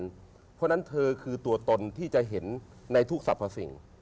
เพราะฉะนั้นเธอคือตัวตนที่จะเห็นในทุกสรรพสิ่ง